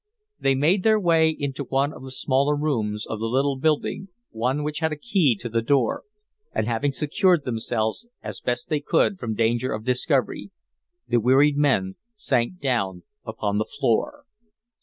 They made their way into one of the smaller rooms of the little building, one which had a key to the door. And having secured themselves as best they could from danger of discovery, the wearied men sank down upon the floor.